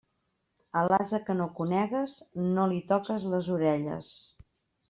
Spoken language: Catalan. A l'ase que no conegues, no li toques les orelles.